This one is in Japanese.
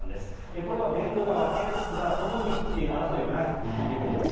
これは弁護側、検察側共に争いはないということです。